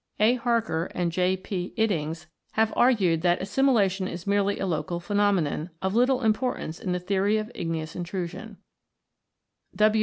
A. Barker (70) and J. P. Iddings(7i) have argued that assimilation is merely a local phenomenon, of little importance in the theory of igneous intrusion.